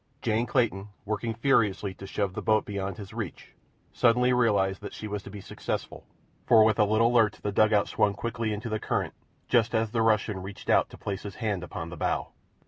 Jane Clayton, working furiously to shove the boat beyond his reach, suddenly realized that she was to be successful, for with a little lurch the dugout swung quickly into the current, just as the Russian reached out to place his hand upon its bow.